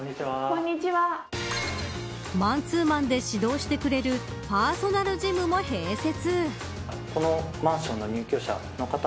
マンツーマンで指導してくれるパーソナルジムも併設。